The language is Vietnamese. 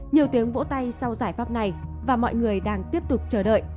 nhiều tiếng vỗ tay sau giải pháp này và mọi người đang tiếp tục